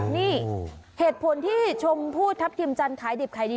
นี่เหตุผลที่ชมพู่ทัพทิมจันทร์ขายดิบขายดี